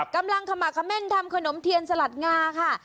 กำลังขมักเม่นทำขนมเทียนสลัดงาค่ะ